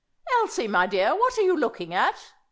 "Elsie, my dear, what are you looking at?